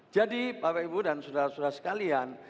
jadi bapak ibu dan sudara sudara sekalian